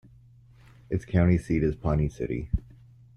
Its county seat is Pawnee City.